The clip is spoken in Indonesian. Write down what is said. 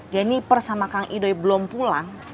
jennifer sama kang idoi belum pulang